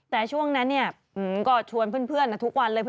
แต่ช่วงนั้นก็ชวนเพื่อนทุกวันเลย